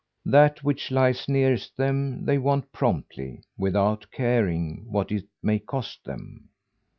That which lies nearest them, they want promptly, without caring what it may cost them.